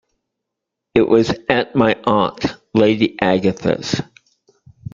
It was at my aunt, Lady Agatha's.